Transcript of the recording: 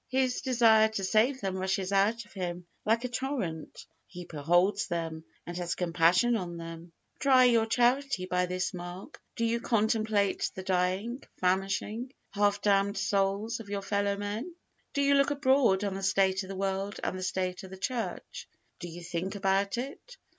His desire to save them rushes out of him like a torrent; he beholds them, and has compassion on them. Try your Charity by this mark: Do you contemplate the dying, famishing, half damned souls of your fellow men? Do you look abroad on the state of the world, and the state of the church? Do you think about it?